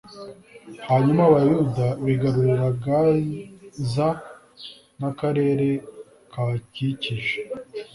hanyuma abayuda bigarurira gaza n'akarere kahakikije